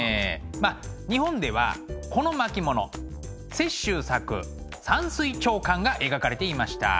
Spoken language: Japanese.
まあ日本ではこの巻物雪舟作「山水長巻」が描かれていました。